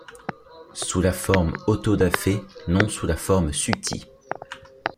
sous la forme auto-da-fé, non sous la forme suttie.